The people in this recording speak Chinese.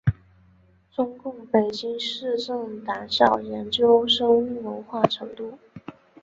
中共北京市委党校研究生文化程度。